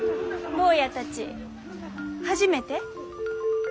坊やたち初めて？